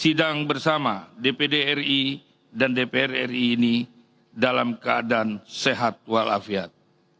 sidang bersama dpdri dan dprri ini dalam keadaan sehat walafiat